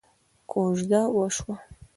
کوژده وشوه.